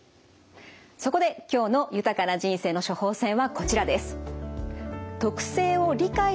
そこで今日の豊かな人生の処方せんはこちらです。